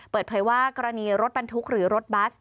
เปิดเผยว่ากรณีรถบรรทุกหรือรถบัส